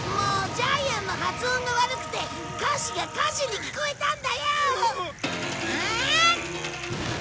ジャイアンの発音が悪くて「かし」が「かじ」に聞こえたんだよ！